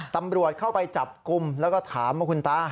ตำรวจเข้าไปจับกลุ่มแล้วก็ถามว่าคุณตา